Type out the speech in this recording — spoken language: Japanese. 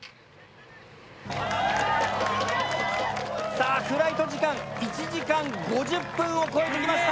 さあフライト時間１時間５０分を超えてきました。